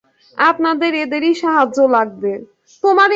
আপনাদের এদেরই সাহায্য লাগবে।